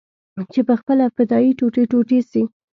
چې پخپله فدايي ټوټې ټوټې سي.